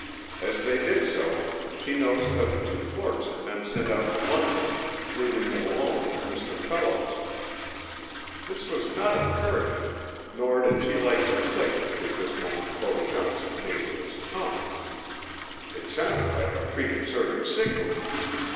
As they did so, she noticed that the two clerks had been sent out to luncheon, leaving them alone with Mr. Fellows. This was not encouraging, nor did she like the click which at this moment Beau Johnson made with his tongue. It sounded like a preconcerted signal.